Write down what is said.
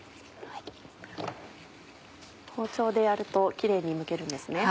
包丁でやるとキレイにむけるんですね。